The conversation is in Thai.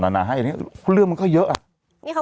อันนี้เรื่องมันก็เยอะ